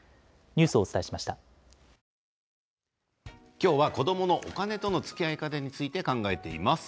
今日は子どものお金とのつきあい方について考えています。